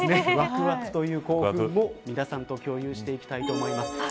わくわくという興奮も皆さんと共有していきたいと思います。